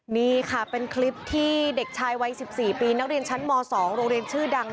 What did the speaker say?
นี่ค่ะเป็นคลิปที่เด็กชายวัย๑๔ปีนักเรียนชั้นม๒โรงเรียนชื่อดัง